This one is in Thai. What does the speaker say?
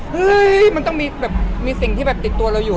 เห้ยมันต้องมีสิ่งที่ติดตัวเราอยู่